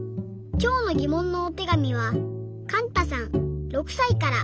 きょうのぎもんのおてがみはかんたさん６さいから。